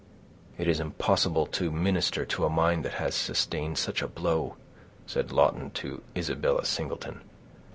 "It is impossible to minister to a mind that has sustained such a blow," said Lawton to Isabella Singleton.